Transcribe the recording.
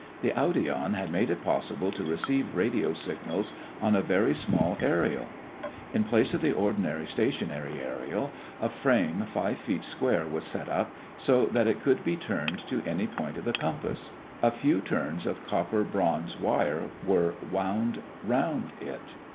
The audion had made it possible to receive radio signals on a very small aërial. In place of the ordinary stationary aërial a frame five feet square was set up so that it could be turned to any point of the compass. A few turns of copper bronze wire were wound round it.